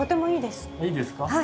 いいですか？